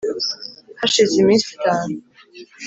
hashize iminsi itanu,